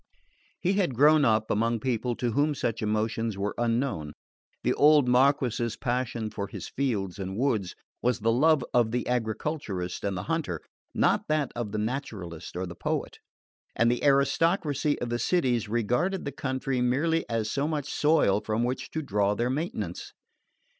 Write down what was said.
He had grown up among people to whom such emotions were unknown. The old Marquess's passion for his fields and woods was the love of the agriculturist and the hunter, not that of the naturalist or the poet; and the aristocracy of the cities regarded the country merely as so much soil from which to draw their maintenance.